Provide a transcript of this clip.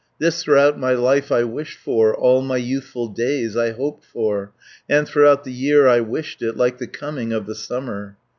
"This throughout my life I wished for, All my youthful days I hoped for, And throughout the year I wished it, Like the coming of the summer.